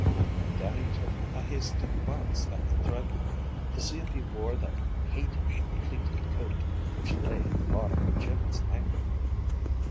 And Dannie took a hasty glance at the Thread Man, to see if he wore that hated pleated coat, which lay at the bottom of Jimmy's anger.